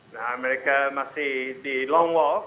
nah mereka masih di long wall